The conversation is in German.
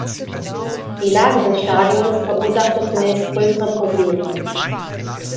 Die Lage des Stadions verursachte zunächst größere Probleme.